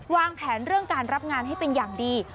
วางแผนเรื่องการรับงานให้เป็นอย่างดี